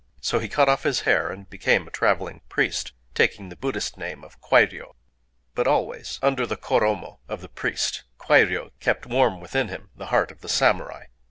So he cut off his hair, and became a traveling priest,—taking the Buddhist name of Kwairyō. But always, under the koromo of the priest, Kwairyō kept warm within him the heart of the samurai.